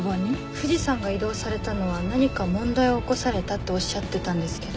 藤さんが異動されたのは何か問題を起こされたっておっしゃってたんですけど。